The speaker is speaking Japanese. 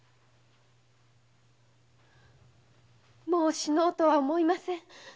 もう死のうとは思いません。